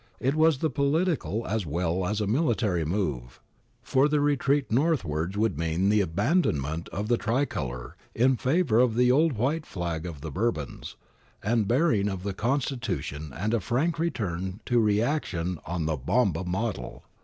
It was a political as well as a miHtary move, for the retreat northwards would mean the abandonment of the tricolour in favour of the old white flag of the Bourbons, the burying of the constitution and a frank return to reaction on the Bomba model.